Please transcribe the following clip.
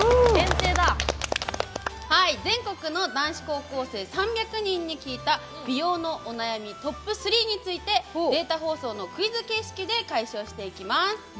全国の男子高校生３００人に聞いた美容のお悩みトップ３についてデータ放送のクイズ形式で解消していきます。